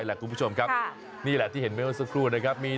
ดิฉันลดอายุลงทุกปี